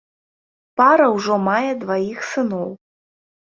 Пара ўжо мае дваіх сыноў.